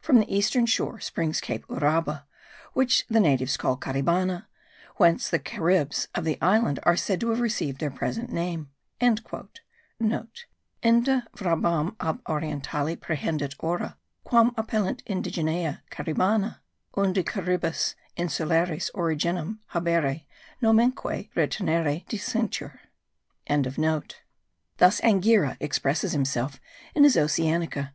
"From the eastern shore springs Cape Uraba, which the natives call Caribana, whence the Caribs of the island are said to have received their present name."* (* Inde Vrabam ab orientali prehendit ora, quam appellant indigenae Caribana, unde Caribes insulares originem habere nomenque retinere dicuntur.) Thus Anghiera expresses himself in his Oceanica.